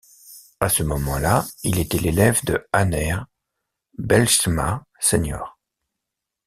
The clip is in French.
À ce moment-là, il était l'élève de Anner Bijlsma Sr.